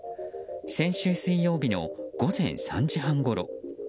先週水曜日の午前３時半ごろ。